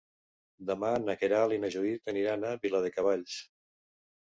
Demà na Queralt i na Judit aniran a Viladecavalls.